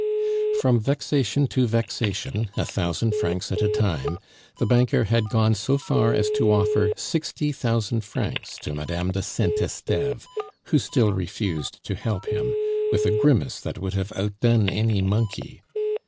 From vexation to vexation, a thousand francs at a time, the banker had gone so far as to offer sixty thousand francs to Madame de Saint Esteve, who still refused to help him, with a grimace that would have outdone any monkey.